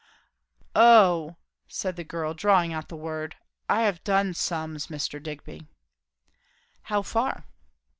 "Oh! " said the girl, drawing out the word" I have done sums, Mr. Digby." "How far?"